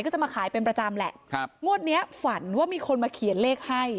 ก็จะมาขายเป็นประจำแหละครับงวดเนี้ยฝันว่ามีคนมาเขียนเลขให้